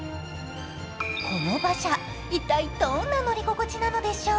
この馬車、一体どんな乗り心地なのでしょう。